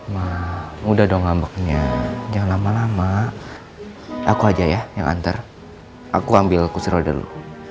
ma udah dong ambaknya jangan lama lama aku aja ya yang antar aku ambil kusiro dulu